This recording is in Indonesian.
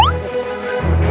tunggu tunggu tunggu